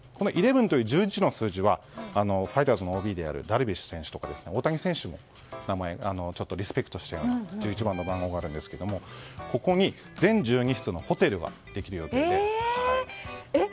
１１という数字はファイターズのＯＢであるダルビッシュ選手や大谷選手をリスペクトした１１番の番号なんですがここに全１２室のホテルができる予定です。